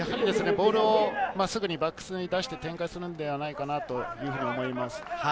ボールをすぐにバックスに出して展開するんではないかなというふうに思います。